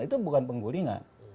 itu bukan penggulingan